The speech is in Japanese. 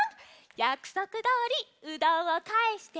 やくそくどおりうどんをかえして！